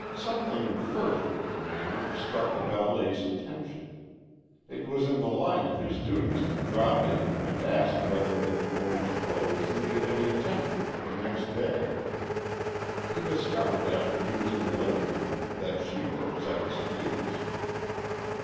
Something furtive in their manner struck the valet's attention. It was in the line of his duties to drop in and ask whether the promoter's clothes needed any attention for the next day. He discovered after he was in the living room that Shibo was at his heels.